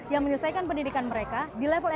yang menyelesaikan pendidikan mereka di level empat